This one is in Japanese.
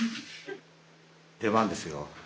出番ですよ。